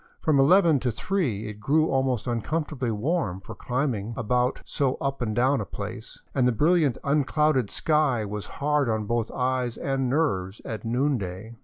From eleven to thre,e it grew almost uncomfortably warm for climbing about so up and down a place, and the brilliant unclouded sky was hard both on eyes and nerves at noon day.